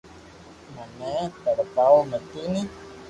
مني تڙپاو متي ني